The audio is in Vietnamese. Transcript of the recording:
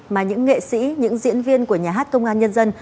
mà những nghệ sĩ những diễn viên của nhà hát công an nhân dân